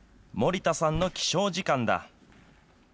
森田さんの起床時間だ。